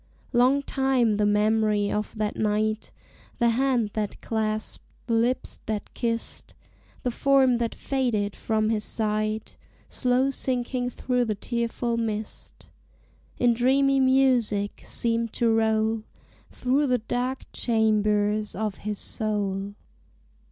Long time the memory of that night The hand that clasped, the lips that kissed, The form that faded from his sight Slow sinking through the tearful mist In dreamy music seemed to roll Through the dark chambers of his soul.